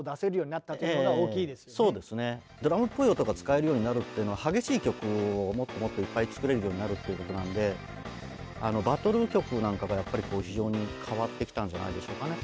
ドラムっぽい音が使えるようになるっていうのは激しい曲をもっともっといっぱい作れるようになるっていうことなんでバトル曲なんかがやっぱり非常に変わってきたんじゃないでしょうかね。